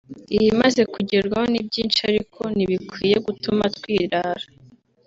ibimaze kugerwaho ni byinshi ariko ntibikwiye gutuma twirara